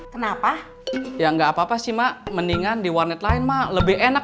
kenapa ya nggak apa apa sih mak mendingan di warnet lain mah lebih enak